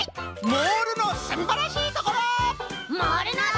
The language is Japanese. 「モールのすんばらしいところ！」。